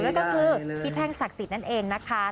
นั่นก็คือพี่แท่งศักดิ์สิทธิ์นั่นเองนะคะ